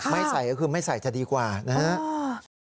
ไม่ใส่ก็คือไม่ใส่จะดีกว่านะครับ